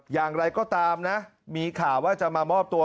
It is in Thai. อย่างไรก็ตามนะมีข่าวว่าจะมามอบตัว